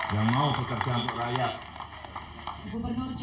yang mau bekerja untuk rakyat